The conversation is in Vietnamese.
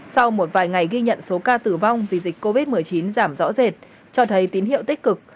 sau một vài ngày ghi nhận số ca tử vong vì dịch covid một mươi chín giảm rõ rệt cho thấy tín hiệu tích cực